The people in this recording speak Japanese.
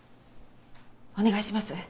お願いします。